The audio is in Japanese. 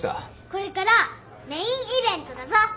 これからメインイベントだぞ。